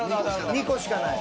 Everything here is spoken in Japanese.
２個しかない。